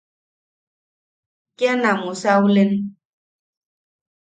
Kea na musaulen.